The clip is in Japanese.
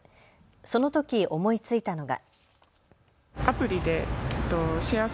そのとき思いついたのが。